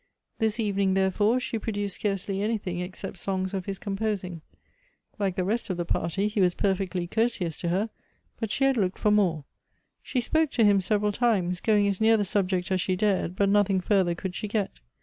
This evening, therefore, she produced scarcely anything except songs of his composing. Like the rest of the pai ty he was perfectly courteous to her, but she had looked for more. She spoke to him several times, going as near the subject as she dared, but nothing further could she get.